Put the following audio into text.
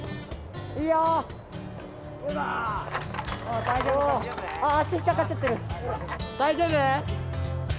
大丈夫？